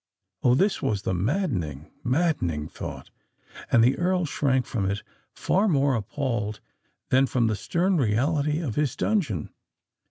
Oh! this was the maddening—maddening thought; and the Earl shrank from it far more appalled than from the stern reality of his dungeon!